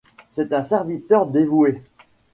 C’est un serviteur dévoué.